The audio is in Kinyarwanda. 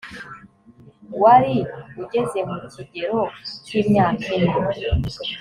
wari ugeze mu kigero cy imyaka ine